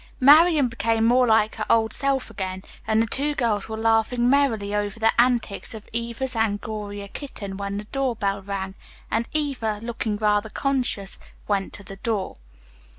Marian became more like her old self again, and the two girls were laughing merrily over the antics of Eva's Angora kitten when the doorbell rang, and Eva, looking rather conscious, went to the door.